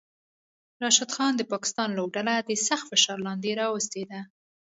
راشد خان د پاکستان لوبډله د سخت فشار لاندې راوستی ده